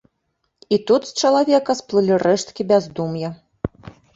І тут з чалавека сплылі рэшткі бяздум'я.